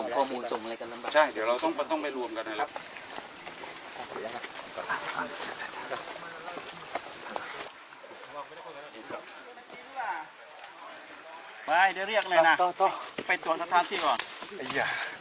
ของอ่าน่าจะเป็นมวดดำอ่ะครับติดต่อได้มั้ย